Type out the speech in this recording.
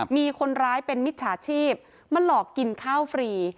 มีคนร้ายเป็นมิจฉาชีพมาหลอกกินข้าวฟรี